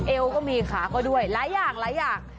เอวก็มีขาก็ด้วยหลายอย่างหลายอย่าง